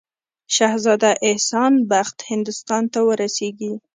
شهزاده احسان بخت هندوستان ته ورسیږي.